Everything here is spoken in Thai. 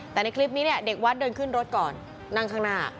แต่ในคลิปนี้เนี่ยเด็กวัดเดินขึ้นรถก่อนนั่งข้างหน้า